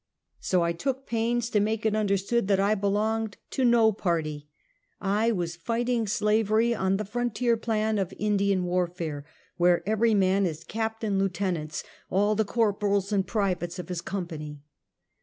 So I took pains to make it understood that I belonged to no party. I was fighting slavery on the frontier plan of Indian warfare, where every man is Captain lieutenants, all the corporals and privates of his company.